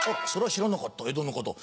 それは知らなかった江戸の方。